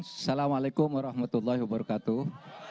wassalamualaikum warahmatullahi wabarakatuh